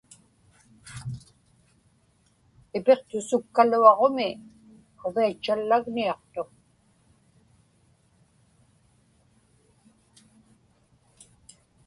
Ipiqtusukkaluaġumi quviatchallagniaqtuq.